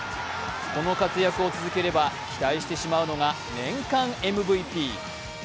この活躍を続ければ、期待してしまうのが年間ＭＶＰ。